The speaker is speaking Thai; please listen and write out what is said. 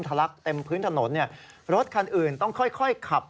ลักเต็มพื้นถนนรถคันอื่นต้องค่อยขับ